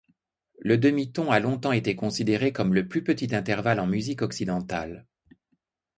Le demi-ton a longtemps été considéré comme le plus petit intervalle en musique occidentale.